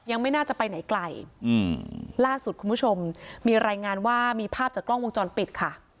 ยังไม่น่าจะไปไหนไกลอืมล่าสุดคุณผู้ชมมีรายงานว่ามีภาพจากกล้องวงจรปิดค่ะ